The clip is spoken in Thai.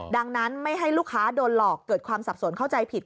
ดังนั้นไม่ให้ลูกค้าโดนหลอกเกิดความสับสนเข้าใจผิด